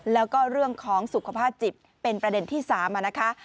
แล้วก็เรื่องของสุขภาพจิตเป็นประเด็นที่๓นะคะ